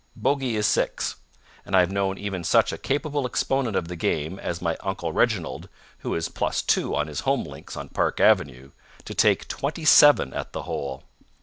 Bogey is six, and I have known even such a capable exponent of the game as my Uncle Reginald, who is plus two on his home links on Park Avenue, to take twenty seven at the hole.